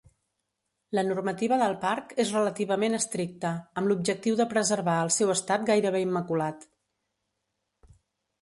La normativa del parc és relativament estricta, amb l'objectiu de preservar el seu estat gairebé immaculat.